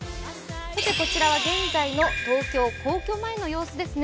こちらは現在の東京・皇居前の様子ですね